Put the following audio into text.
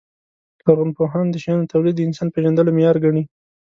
لرغونپوهان د شیانو تولید د انسان پېژندلو معیار ګڼي.